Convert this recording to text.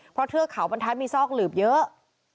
เพราะเทือกเขาบรรทัศน์มีซอกหลืบเยอะ